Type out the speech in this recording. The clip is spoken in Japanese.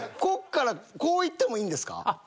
こっからこう行ってもいいんですか？